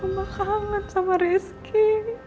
mbak kangen sama deriski